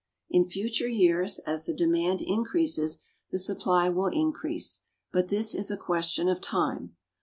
In future years, as the demand increases, the supply will increase; but this is a question of time.